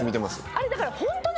あれだから。